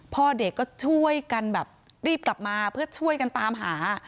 พ่อเด็กก็ช่วยกันแบบรีบกลับมาเพื่อช่วยกันตามหา